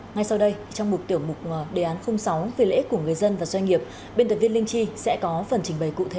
ngay sau đây trong một tiểu mục đề án sáu về lợi ích của người dân và doanh nghiệp biên tập viên linh chi sẽ có phần trình bày cụ thể